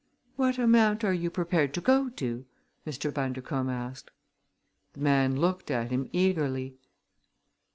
"What amount are you prepared to go to?" Mr. Bundercombe asked. The man looked at him eagerly.